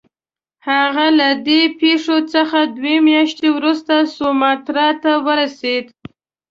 هغه له دې پیښې څخه دوې میاشتې وروسته سوماټرا ته ورسېد.